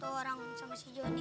macem macem tuh orang sama si joni